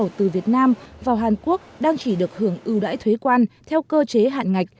đầu từ việt nam vào hàn quốc đang chỉ được hưởng ưu đãi thuế quan theo cơ chế hạn ngạch